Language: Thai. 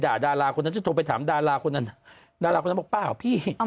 ดาดาราคนนั้นจะโทรไปถามดาราคนนั้นดาราคนนั้นบอกเปล่าพี่